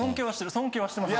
尊敬はしてます。